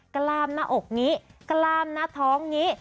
กล้ามหน้าอกนี้กล้ามหน้าท้องนี้